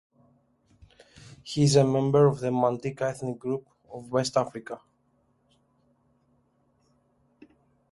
He is a member of the Mandinka ethnic group of West Africa.